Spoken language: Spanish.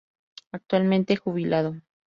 Actualmente jubilado.